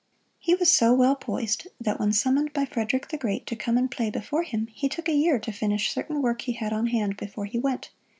He was so well poised that when summoned by Frederick the Great to come and play before him, he took a year to finish certain work he had on hand before he went.